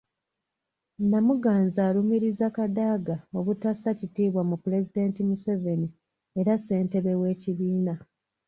Namuganza alumiriza Kadaga obutassa kitiibwa mu Pulezidenti Museveni era ssentebbe w’ekibiina.